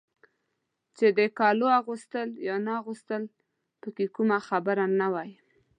چې د کالو اغوستل یا نه اغوستل پکې کومه خبره نه وای.